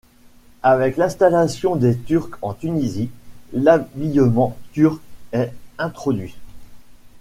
Avec l'installation des Turcs en Tunisie, l'habillement turc est introduit.